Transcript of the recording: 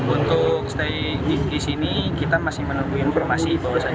untuk stay di sini kita masih menunggu informasi bahwasannya